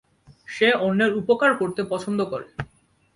সে অন্যের উপকার করতে পছন্দ করে।